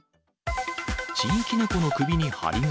地域猫の首に針金。